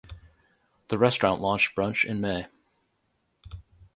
The restaurant launched brunch in May.